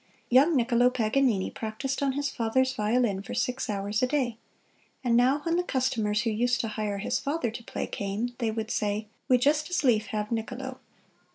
Young Niccolo Paganini practised on his father's violin for six hours a day; and now when the customers who used to hire his father to play came, they would say, "We just as lief have Niccolo."